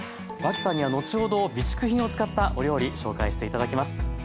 脇さんには後ほど備蓄品を使ったお料理紹介して頂きます。